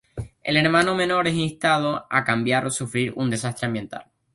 El hermano menor es instado a cambiar o sufrir un desastre ambiental.